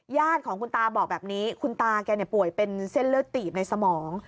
ญาติของคุณตาบอกแบบนี้คุณตาแกป่วยเป็นเส้นเลือดตีบในสมอง